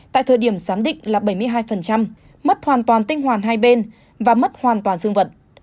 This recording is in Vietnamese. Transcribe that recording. tại thời điểm giám định là bảy mươi hai mất hoàn toàn tinh hoàn hai bên và mất hoàn toàn dương vận